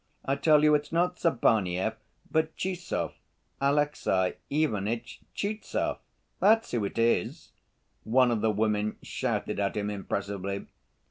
I tell you it's not Sabaneyev, but Tchizhov, Alexey Ivanitch Tchizhov, that's who it is!" one of the women shouted at him impressively.